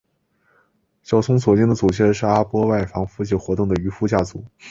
小松左京的祖先是阿波外房附近活动的渔夫家族。